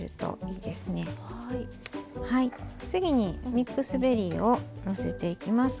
次にミックスベリーをのせていきます。